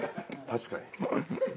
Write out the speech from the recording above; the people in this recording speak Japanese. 確かに。